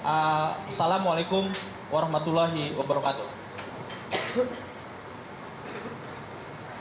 assalamualaikum warahmatullahi wabarakatuh